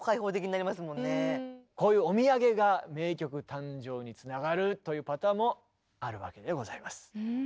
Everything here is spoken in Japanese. こういうお土産が名曲誕生につながるというパターンもあるわけでございます。